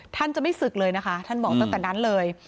ท่านจะไม่ศึกเลยนะคะท่านบอกตั้งแต่นั้นเลย